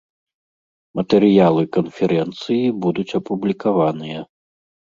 Матэрыялы канферэнцыі будуць апублікаваныя.